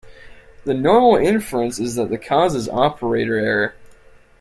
The normal inference is that the cause is operator error.